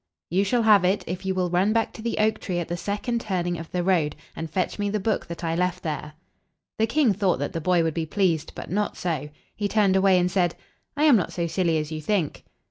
"You shall have it if you will run back to the oak tree at the second turning of the road, and fetch me the book that I left there." The king thought that the boy would be pleased. But not so. He turned away, and said, "I am not so silly as you think."